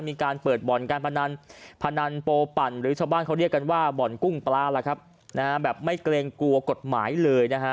มีการเปิดบ่อนการพนันพนันโปปั่นหรือชาวบ้านเขาเรียกกันว่าบ่อนกุ้งปลาล่ะครับนะฮะแบบไม่เกรงกลัวกฎหมายเลยนะฮะ